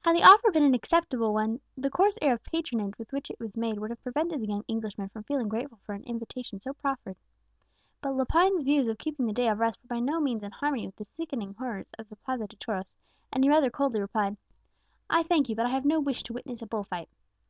Had the offer been an acceptable one, the coarse air of patronage with which it was made would have prevented the young Englishman from feeling grateful for an invitation so proffered. But Lepine's views of keeping the day of rest were by no means in harmony with the sickening horrors of the Plaza de Toros, and he rather coldly replied, "I thank you; but I have no wish to witness a bull fight."